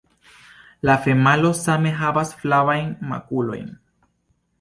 La femalo same havas flavajn makulojn.